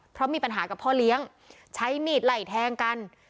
เพราะมีปัญหากับพ่อเลี้ยงใช้มีดไหล่แทงกัน